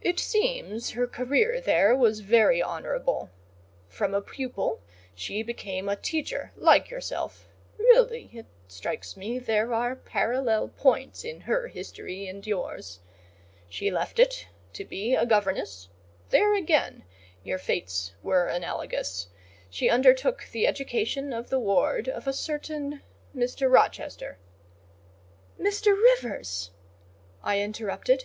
It seems her career there was very honourable: from a pupil, she became a teacher, like yourself—really it strikes me there are parallel points in her history and yours—she left it to be a governess: there, again, your fates were analogous; she undertook the education of the ward of a certain Mr. Rochester." "Mr. Rivers!" I interrupted.